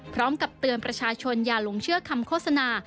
พร้อมกับเตือนประชาชนอย่าหลงเชื่อคำโฆษณา